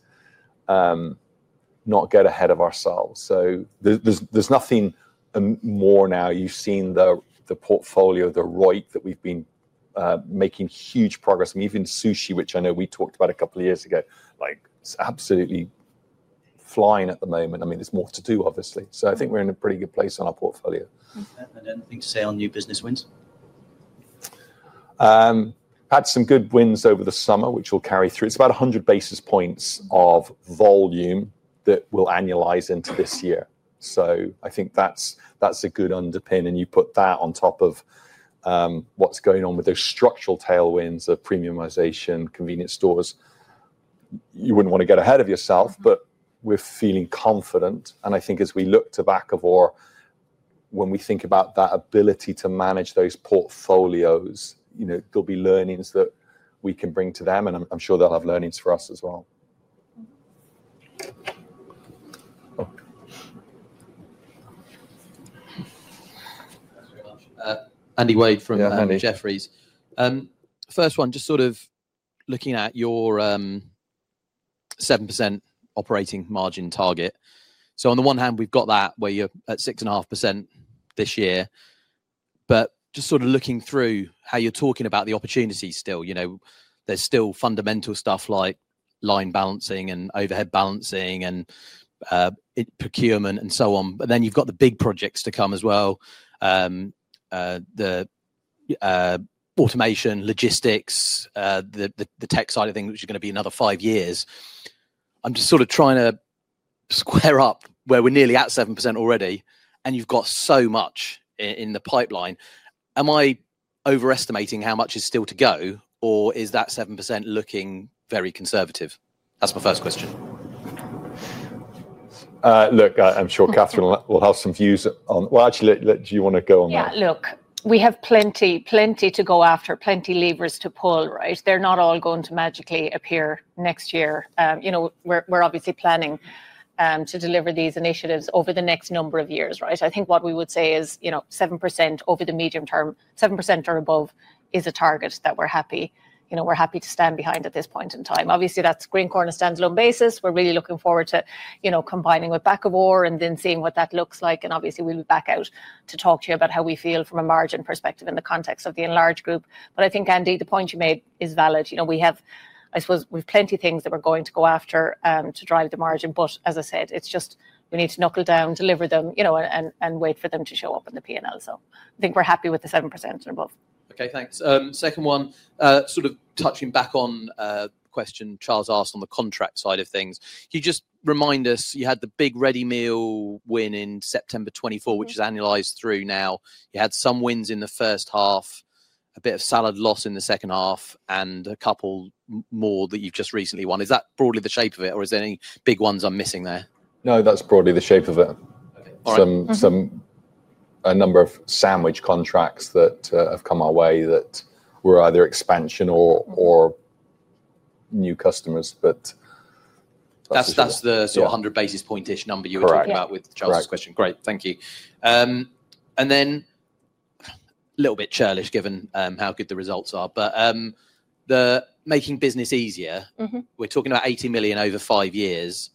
not get ahead of ourselves. There is nothing more now. You have seen the portfolio, the right that we have been making huge progress. I mean, even sushi, which I know we talked about a couple of years ago, it's absolutely flying at the moment. I mean, there's more to do, obviously. I think we're in a pretty good place on our portfolio. Anything to say on new business wins? Had some good wins over the summer, which will carry through. It's about 100 basis points of volume that we'll annualize into this year. I think that's a good underpin. You put that on top of what's going on with those structural tailwinds of premiumization, convenience stores. You wouldn't want to get ahead of yourself, but we're feeling confident. I think as we look to Bakkavor, when we think about that ability to manage those portfolios, there will be learnings that we can bring to them. I'm sure they'll have learnings for us as well. Andy Wade from Jefferies. First one, just sort of looking at your 7% operating margin target. On the one hand, we've got that where you're at 6.5% this year. Just sort of looking through how you're talking about the opportunity still, there's still fundamental stuff like line balancing and overhead balancing and procurement and so on. Then you've got the big projects to come as well, the automation, logistics, the tech side of things, which is going to be another five years. I'm just sort of trying to square up where we're nearly at 7% already, and you've got so much in the pipeline. Am I overestimating how much is still to go, or is that 7% looking very conservative? That's my first question. I'm sure Catherine will have some views on. Actually, do you want to go on that? Yeah, look, we have plenty to go after, plenty levers to pull, right? They're not all going to magically appear next year. We're obviously planning to deliver these initiatives over the next number of years, right? I think what we would say is 7% over the medium term, 7% or above is a target that we're happy to stand behind at this point in time. Obviously, that's Greencore on a standalone basis. We're really looking forward to combining with Bakkavor and then seeing what that looks like. Obviously, we'll be back out to talk to you about how we feel from a margin perspective in the context of the enlarged group. I think, Andy, the point you made is valid. I suppose we have plenty of things that we're going to go after to drive the margin. As I said, it's just we need to knuckle down, deliver them, and wait for them to show up in the P&L. I think we're happy with the 7% and above. Okay, thanks. Second one, sort of touching back on the question Charles asked on the contract side of things. Can you just remind us, you had the big ready meal win in September 2024, which is annualized through now. You had some wins in the first half, a bit of salad loss in the second half, and a couple more that you've just recently won. Is that broadly the shape of it, or are there any big ones I'm missing there? No, that's broadly the shape of it. A number of sandwich contracts that have come our way that were either expansion or new customers, but that's the sort of 100 basis point-ish number you were talking about with Charles' question. Great. Thank you. A little bit churlish given how good the results are, but the making business easier, we're talking about 80 million over five years.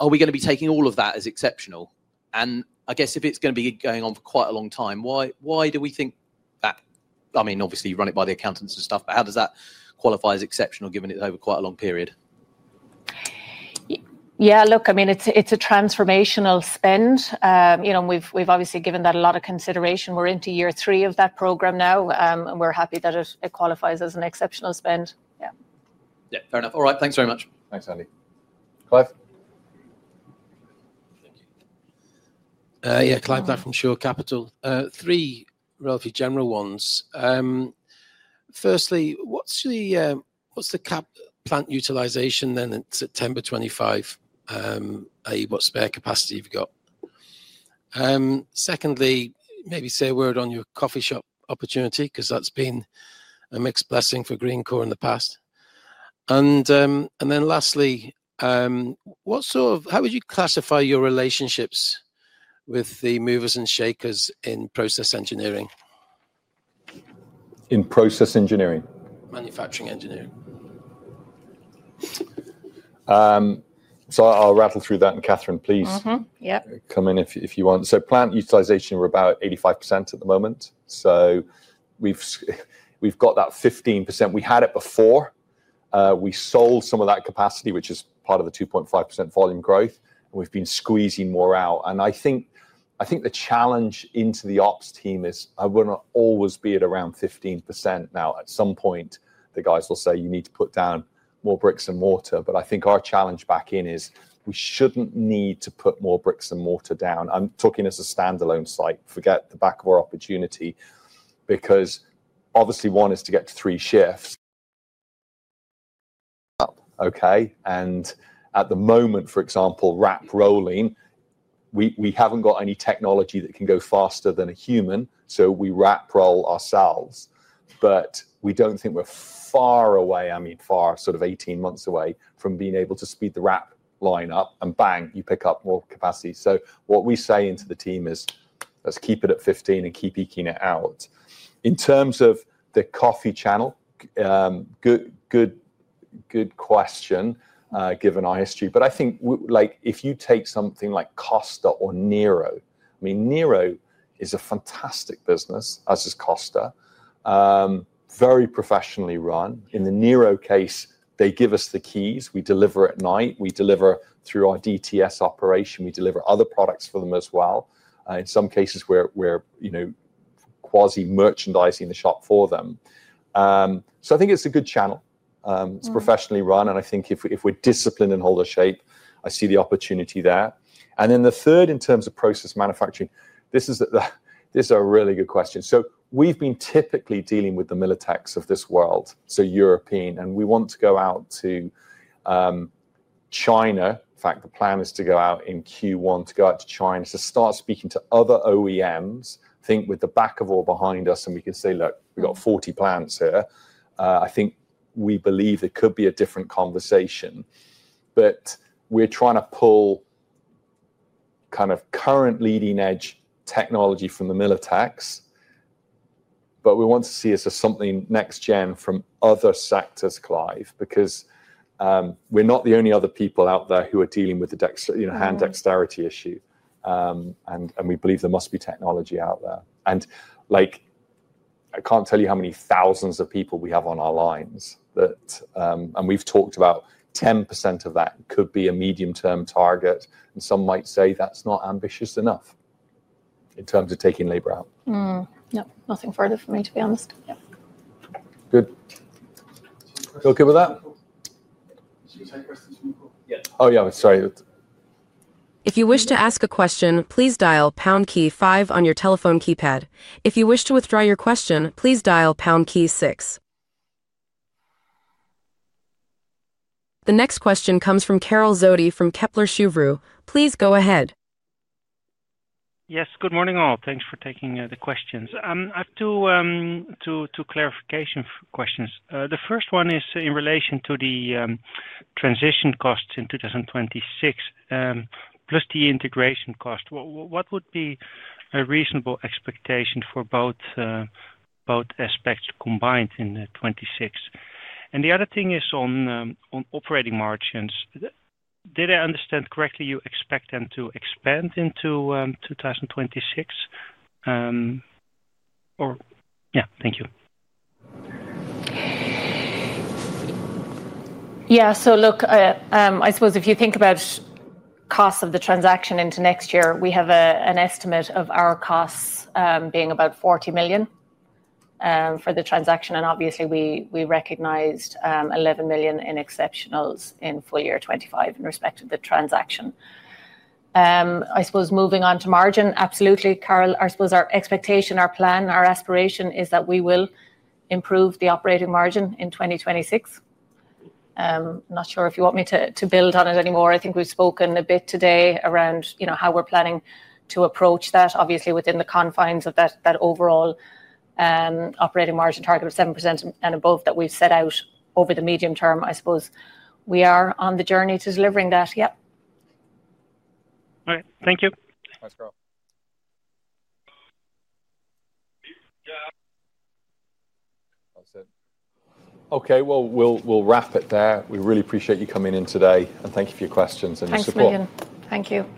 Are we going to be taking all of that as exceptional? I guess if it's going to be going on for quite a long time, why do we think that? I mean, obviously, you run it by the accountants and stuff, but how does that qualify as exceptional given it's over quite a long period? Yeah, look, I mean, it's a transformational spend. We've obviously given that a lot of consideration. We're into year three of that program now, and we're happy that it qualifies as an exceptional spend. Yeah. Yeah, fair enough. All right. Thanks very much. Thanks, Andy. Clive? Yeah, Clive Black from Shore Capital. Three relatively general ones. Firstly, what's the plant utilization then in September 2025? What spare capacity have you got? Secondly, maybe say a word on your coffee shop opportunity because that's been a mixed blessing for Greencore in the past. And then lastly, how would you classify your relationships with the movers and shakers in process engineering? In process engineering? Manufacturing engineering. I'll rattle through that, and Catherine, please come in if you want. Plant utilization are about 85% at the moment. We've got that 15%. We had it before. We sold some of that capacity, which is part of the 2.5% volume growth. We've been squeezing more out. I think the challenge into the ops team is we're not always be at around 15%. At some point, the guys will say, "You need to put down more bricks and mortar." I think our challenge back in is we shouldn't need to put more bricks and mortar down. I'm talking as a standalone site. Forget the Bakkavor opportunity because obviously, one is to get to three shifts. Okay. At the moment, for example, wrap rolling, we haven't got any technology that can go faster than a human. We wrap roll ourselves. We don't think we're far away, I mean, far sort of 18 months away from being able to speed the wrap line up and bang, you pick up more capacity. What we say into the team is, "Let's keep it at 15 and keep eking it out." In terms of the coffee channel, good question given our history. I think if you take something like Costa or Nero, I mean, Nero is a fantastic business as is Costa, very professionally run. In the Nero case, they give us the keys. We deliver at night. We deliver through our DTS operation. We deliver other products for them as well. In some cases, we're quasi-merchandising the shop for them. I think it's a good channel. It's professionally run. I think if we're disciplined and hold our shape, I see the opportunity there. The third, in terms of process manufacturing, this is a really good question. We've been typically dealing with the Militex of this world, so European. We want to go out to China. In fact, the plan is to go out in Q1 to go out to China to start speaking to other OEMs. I think with the Bakkavor behind us, and we can say, "Look, we've got 40 plants here." I think we believe there could be a different conversation. We are trying to pull kind of current leading-edge technology from the Militex. We want to see it as something next-gen from other sectors, Clive, because we are not the only other people out there who are dealing with the hand dexterity issue. We believe there must be technology out there. I cannot tell you how many thousands of people we have on our lines. We have talked about 10% of that could be a medium-term target. Some might say that is not ambitious enough in terms of taking labor out. No, nothing further for me, to be honest. Good. Still good with that? Did you take questions from the call? Yeah. Oh, yeah. Sorry. If you wish to ask a question, please dial pound key five on your telephone keypad. If you wish to withdraw your question, please dial pound key six. The next question comes from Karel Zoete from Kepler Cheuvreux. Please go ahead. Yes, good morning all. Thanks for taking the questions. I have two clarification questions. The first one is in relation to the transition costs in 2026, plus the integration cost. What would be a reasonable expectation for both aspects combined in 2026? The other thing is on operating margins. Did I understand correctly you expect them to expand into 2026? Yeah, thank you. Yeah. Look, I suppose if you think about costs of the transaction into next year, we have an estimate of our costs being about 40 million for the transaction. Obviously, we recognized 11 million in exceptionals in full year 2025 in respect of the transaction. I suppose moving on to margin, absolutely, Karel. I suppose our expectation, our plan, our aspiration is that we will improve the operating margin in 2026. I'm not sure if you want me to build on it anymore. I think we've spoken a bit today around how we're planning to approach that, obviously, within the confines of that overall operating margin target of 7% and above that we've set out over the medium term. I suppose we are on the journey to delivering that. Yep. All right. Thank you. Thanks, Karel. Okay. We'll wrap it there. We really appreciate you coming in today. And thank you for your questions and your support. Thanks for being in. Thank you.